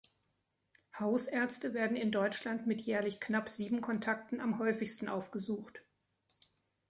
Hausärzte werden in Deutschland mit jährlich knapp sieben Kontakten am häufigsten aufgesucht.